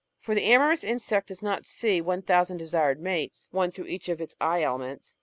For the amorous insect does not see 1,000 desired mates, — one through each of its eye elements.